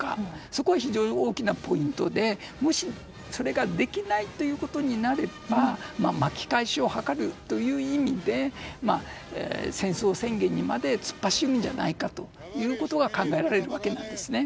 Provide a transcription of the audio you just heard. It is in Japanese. そこが非常に大きなポイントでもしそれができないとなれば巻き返しを図るという意味で戦争宣言にまで突っ走るんじゃないかと考えられるわけですね。